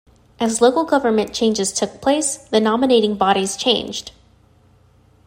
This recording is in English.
As local government changes took place, the nominating bodies changed.